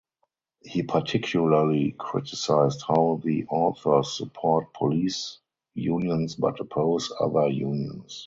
He particularly criticized how the authors support police unions but oppose other unions.